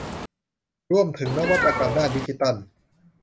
ร่วมถึงนวัตกรรมด้านดิจิทัล